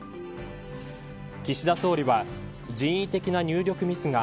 岸田総理は、人為的な入力ミスが